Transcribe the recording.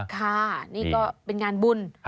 ค่ะนี่ก็เป็นงานบุญ